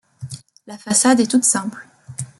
La façade est toute simple.